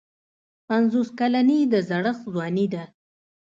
پنځوس کلني د زړښت ځواني ده.